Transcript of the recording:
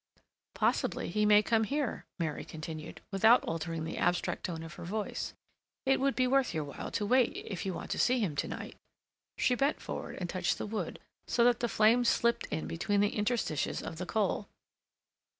"Possibly he may come here," Mary continued, without altering the abstract tone of her voice. "It would be worth your while to wait if you want to see him to night." She bent forward and touched the wood, so that the flames slipped in between the interstices of the coal.